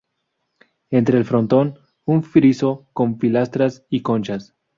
Entre el frontón, un friso con pilastras y conchas.